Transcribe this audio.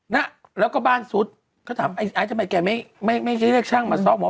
นะแล้วก็บ้านซุดเขาถามไอ้ไอซ์ทำไมแกไม่ไม่เรียกช่างมาซ่อมว่า